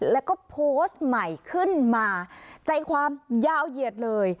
แล้วก็โพสต์ใหม่ขึ้นมาใจความยาวเหยียดเลย